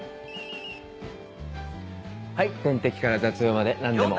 はい点滴から雑用まで。